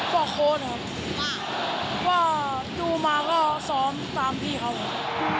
บอกโค้ดครับว่าดูมาก็ซ้อมตามพี่เขาครับ